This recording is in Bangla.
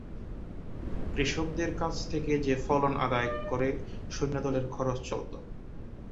কৃষকদের কাছ থেকে যে ফলন আদায় করে সৈন্যদলের খরচ চলত।